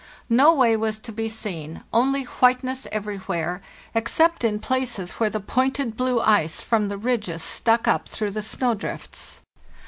No way was to be seen, only whiteness everywhere, except in places where the pointed blue ice from the ridges stuck up through the snow drifts.